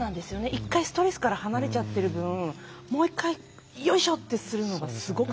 一回ストレスから離れちゃってる分もう一回「よいしょ！」ってするのがすごく大変だった。